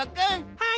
はい。